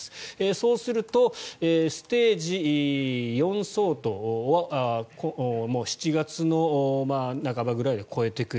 そうすると、ステージ４相当もう７月の半ばぐらいで超えてくる。